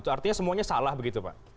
itu artinya semuanya salah begitu pak